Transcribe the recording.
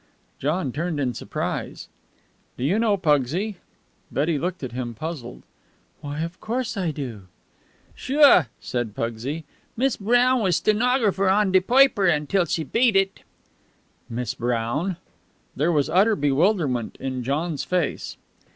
John turned in surprise. "Do you know Pugsy?" Betty looked at him, puzzled. "Why, of course I do." "Sure," said Pugsy. "Miss Brown was stenographer on de poiper till she beat it." "Miss Brown!" There was utter bewilderment in John's face.